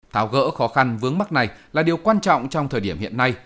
tháo gỡ khó khăn vướng mắt này là điều quan trọng trong thời điểm hiện nay